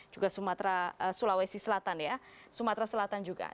juga sumatera sulawesi selatan ya sumatera selatan juga